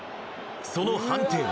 その判定は。